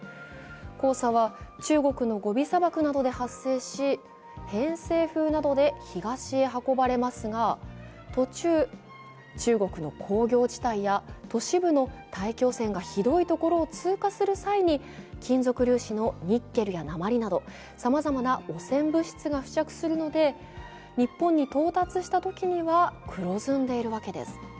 黄砂は中国のゴビ砂漠などで発生し偏西風などで東へ運ばれますが、途中、中国の工業地帯や都市部の大気汚染がひどい地域を通過する際に金属粒子のニッケルやなまりなど、さまざまな汚染物質が付着するので、日本に到達したときには黒ずんでいるわけです。